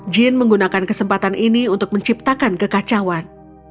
jin menggunakan kesempatan ini untuk menciptakan kekacauan